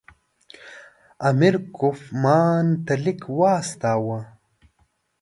امیر کوفمان ته لیک واستاوه.